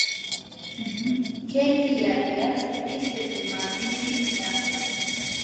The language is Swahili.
Keki ya viazi lishe na mapishi yake